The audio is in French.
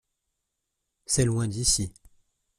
C’est loin d’ici.